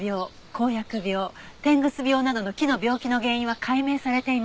こうやく病てんぐ巣病などの木の病気の原因は解明されています。